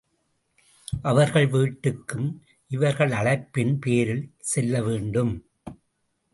அவர்கள் வீட்டுக்கும் இவர்கள் அழைப்பின் பேரில் செல்லவேண்டும்.